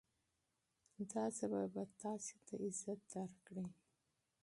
دا ژبه به تاسې ته عزت درکړي.